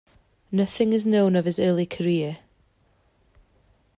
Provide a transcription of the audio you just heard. Nothing is known of his early career.